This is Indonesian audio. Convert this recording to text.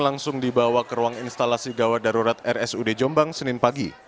langsung dibawa ke ruang instalasi gawat darurat rsud jombang senin pagi